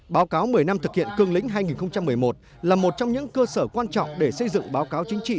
báo cáo một mươi năm thực hiện cương lĩnh hai nghìn một mươi một là một trong những cơ sở quan trọng để xây dựng báo cáo chính trị